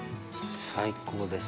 最高です。